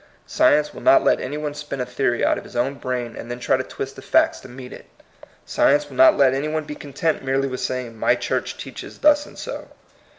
Science will not let any one spin a theory out of his own brain, and then try to twist the facts to meet it. Science will not let any one be content merely with saying, "My church teaches thus and so.